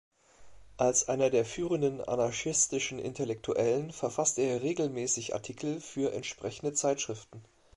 Als einer der führenden anarchistischen Intellektuellen verfasste er regelmäßig Artikel für entsprechende Zeitschriften.